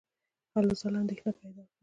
هلو ځلو اندېښنه پیدا کړه.